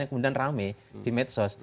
kemudian rame di medsos